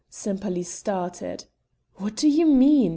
Sempaly started, "What do you mean?"